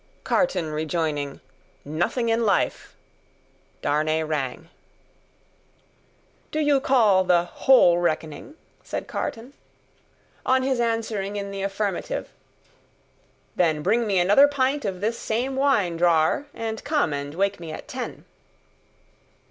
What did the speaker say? Carton rejoining, "Nothing in life!" Darnay rang. "Do you call the whole reckoning?" said Carton. On his answering in the affirmative, "Then bring me another pint of this same wine, drawer, and come and wake me at ten."